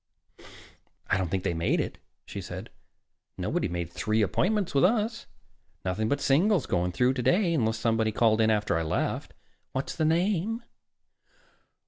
"I don't think they made it," she said. "Nobody made three appointments with us. Nothing but singles going through today, unless somebody called in after I left. What's the name?"